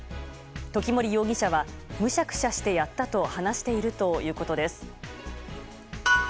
時森容疑者はむしゃくしゃしてやったと話しているということです。